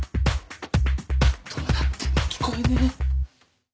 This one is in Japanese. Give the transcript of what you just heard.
どうなってんだ聞こえねえ。